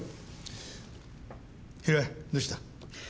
平井どうした？